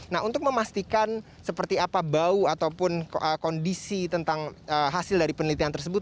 nah untuk memastikan seperti apa bau ataupun kondisi tentang hasil dari penelitian tersebut